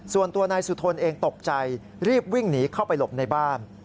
ส่วนตัวนายสุธนเองตกใจรีบวิ่งหนีเข้าไปหลบในบ้าน